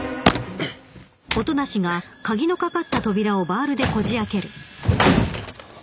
えっ。